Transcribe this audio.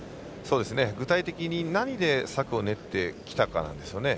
具体的になんで策を練ってきたかなんですね。